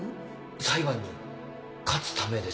裁判に勝つためですよね